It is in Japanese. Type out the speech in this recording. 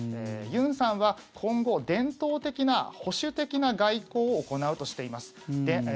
ユンさんは今後伝統的な、保守的な外交を行うとしています。